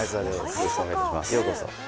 よろしくお願いします。